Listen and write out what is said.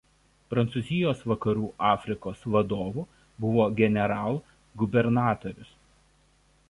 Prancūzijos Vakarų Afrikos vadovu buvo generalgubernatorius.